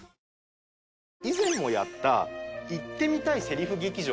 以前もやった言ってみたいセリフ劇場。